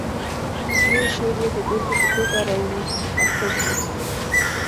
یو شعر یې د بېلګې په توګه راوړو په پښتو ژبه.